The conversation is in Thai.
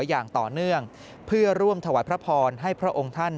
อย่างต่อเนื่องเพื่อร่วมถวายพระพรให้พระองค์ท่าน